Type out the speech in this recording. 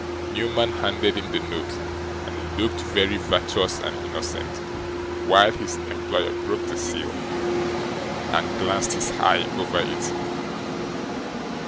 Newman handed in the note, and looked very virtuous and innocent while his employer broke the seal, and glanced his eye over it.